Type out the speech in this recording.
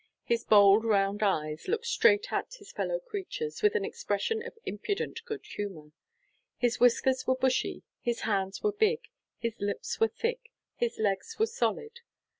His bold round eyes looked straight at his fellow creatures with an expression of impudent good humour; his whiskers were bushy, his hands were big, his lips were thick, his legs were solid.